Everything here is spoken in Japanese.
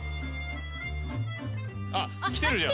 あっきてるじゃん！